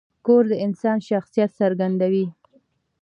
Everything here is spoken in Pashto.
کور د انسان شخصیت څرګندوي.